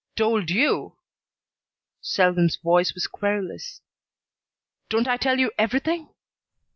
"Told you!" Selwyn's voice was querulous. "Don't I tell you everything?